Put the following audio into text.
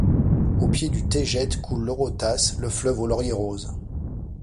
Au pied du Taygète coule l'Eurotas, le fleuve aux lauriers roses.